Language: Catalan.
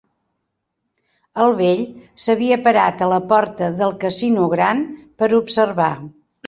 El vell s’havia parat a la porta del Casino Gran per observar